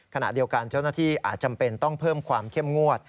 ขณะเดียวกันเจ้าหน้าที่อาจจำเป็นต้องเพิ่มความเข้มงวด